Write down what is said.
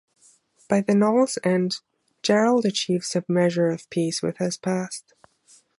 By the novel's end, Gerald achieves a measure of peace with his past.